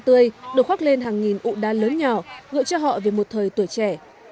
tươi đột khoác lên hàng nghìn ụ đa lớn nhỏ gợi cho họ về một thời tuổi trẻ